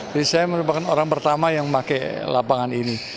jadi saya merupakan orang pertama yang memakai lapangan ini